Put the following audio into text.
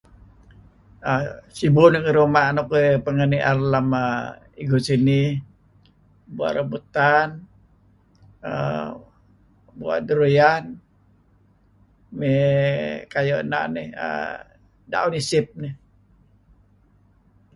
Sibu nuk pangeh nier uhm igu sinih Bua' Rambutan, uhm Bua' Durian, may kayu' na' nih uhm Daun Isip nih.